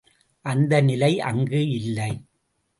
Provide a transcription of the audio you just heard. அந்த நிலை அங்கு இல்லை.